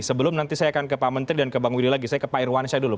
sebelum nanti saya akan ke pak menteri dan ke bang willy lagi saya ke pak irwansyah dulu